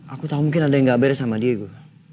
aku tau mungkin ada yang gak beres sama diego